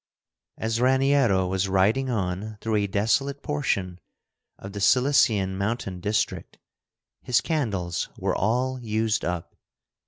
As Raniero was riding on through a desolate portion of the Cilician mountain district, his candles were all used up.